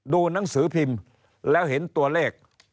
หนังสือพิมพ์แล้วเห็นตัวเลข